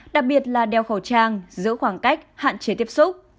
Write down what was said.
đặc biệt là đeo khẩu trang giữ khoảng cách hạn chế tiếp xúc